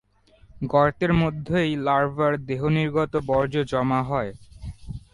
গর্তের মধ্যেই লার্ভার দেহনির্গত বর্জ্য জমা হয়।